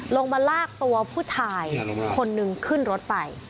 ลงมาลากตัวผู้ชายคนนึงขึ้นรถไป